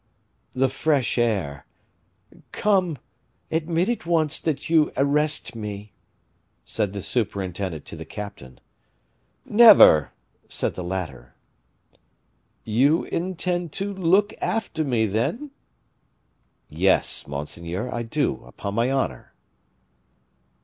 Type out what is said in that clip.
"The fresh air " "Come, admit at once that you arrest me," said the superintendent to the captain. "Never!" said the latter. "You intend to look after me, then?" "Yes, monseigneur, I do, upon my honor."